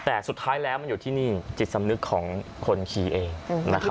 แต่สุดท้ายแล้วมันอยู่ที่นี่จิตสำนึกของคนขี่เองนะครับ